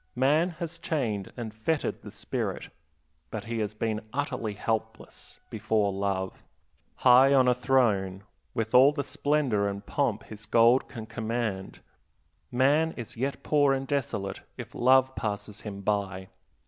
Man has chained and fettered the spirit, but he has been utterly helpless before love. High on a throne, with all the splendor and pomp his gold can command, man is yet poor and desolate, if love passes him by.